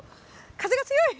風が強い！